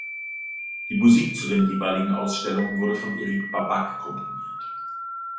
Die Musik zu den jeweiligen Ausstellungen wurde von Eric Babak komponiert.